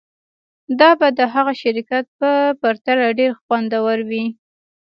دا به د هغه شرکت په پرتله ډیر خوندور وي